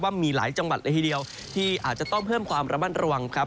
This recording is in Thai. มีหลายจังหวัดเลยทีเดียวที่อาจจะต้องเพิ่มความระมัดระวังครับ